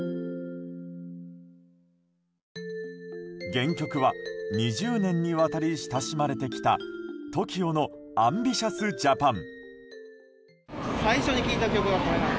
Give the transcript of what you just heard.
原曲は２０年にわたり親しまれてきたＴＯＫＩＯの「ＡＭＢＩＴＩＯＵＳＪＡＰＡＮ！」。